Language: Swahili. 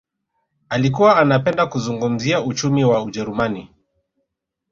Alikuwa anapenda kuzungumzia uchumi wa ujerumani